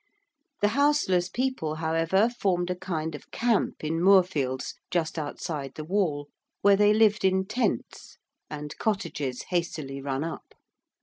The houseless people, however, formed a kind of camp in Moorfields just outside the wall, where they lived in tents, and cottages hastily run up.